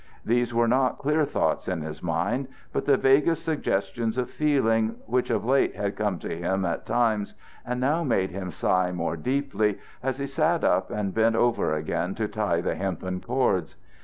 These were not clear thoughts in his mind, but the vaguest suggestions of feeling, which of late had come to him at times, and now made him sigh more deeply as he sat up and bent over again to tie the hempen cords.